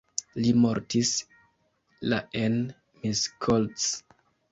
Li mortis la en Miskolc.